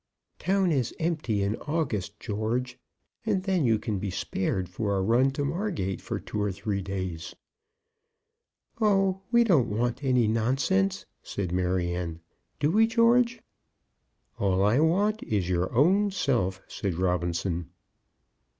"Town is empty in August, George, and then you can be spared for a run to Margate for two or three days." "Oh, we don't want any nonsense," said Maryanne; "do we, George?" "All I want is your own self," said Robinson.